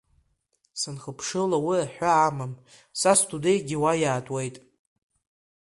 Санхыԥшыло уи аҳәаа амам, са сдунеигьы уа иаатуеит.